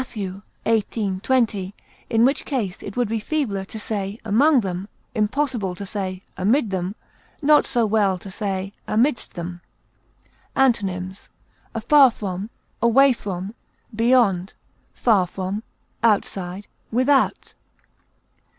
_ xviii, 20; in which case it would be feebler to say "among them," impossible to say "amid them," not so well to say "amidst them." Antonyms: afar from, away from, beyond, far from, outside, without.